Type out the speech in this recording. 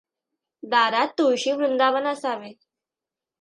दारात तुळशी वृंदावन असावे.